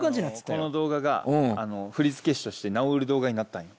この動画が振り付け師として名を売る動画になったんよ。